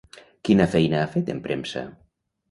Quina feina ha fet en premsa?